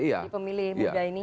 di pemilih budaya ini